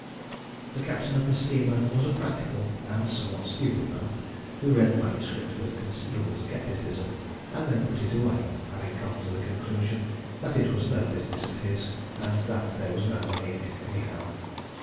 The captain of the steamer was a practical and somewhat stupid man, who read the manuscript with considerable scepticism, and then put it away, having come to the conclusion that it was no business of his, and that there was no money in it anyhow.